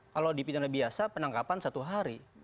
kalau di pidana biasa penangkapan satu hari